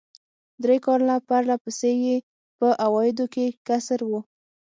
درې کاله پر له پسې یې په عوایدو کې کسر و.